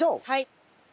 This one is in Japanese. はい。